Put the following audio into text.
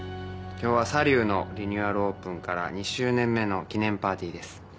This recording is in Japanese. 今日はサリューのリニューアルオープンから２周年目の記念パーティーです。